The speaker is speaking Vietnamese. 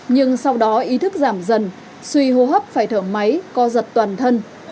nhưng sau đó ý thức giảm dần suy hô hấp phải thở máy co giật toàn thân